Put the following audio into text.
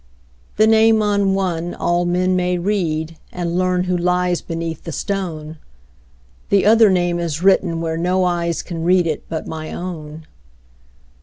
The name on one all men may read, And learn who lies beneath the stone; The other name is written whereNo eyes can read it but my own.